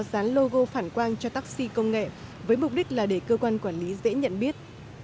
dán logo phản quang cho taxi công nghệ với mục đích là để cơ quan quản lý dễ nhận biết